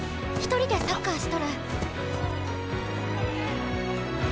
１人でサッカーしとる。